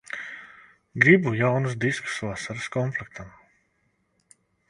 Gribu jaunus diskus vasaras komplektam.